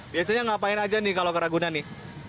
biasanya ngapain aja nih kalau ke ragunan nih